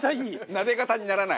なで肩にならない。